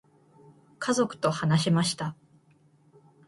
家族と話しました。